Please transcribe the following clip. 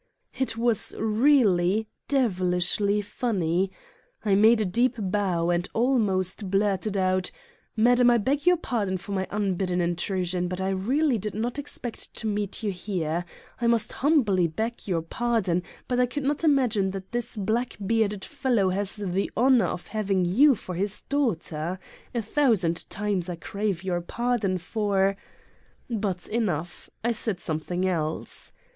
It was really devilishly funny. I made a deep bow and almost blurted out: "Madam, I beg pardon for my unbidden in trusion, but I really did not expect to meet you here. I most humbly beg your pardon, but I could not imagine that this black bearded fellow has the honor of having you for his daughter. A thousand times I crave your pardon for " But enough. I said something else.